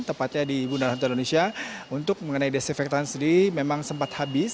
tepatnya di bundaran hotel indonesia untuk mengenai desinfektan sendiri memang sempat habis